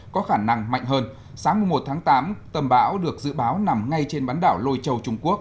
có khả năng mạnh hơn sáng một tháng tám tầm bão được dự báo nằm ngay trên bán đảo lôi châu trung quốc